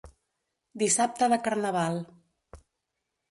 Dissabte de Carnaval.